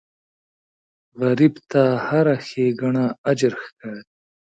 غریب ته هره ښېګڼه اجر ښکاري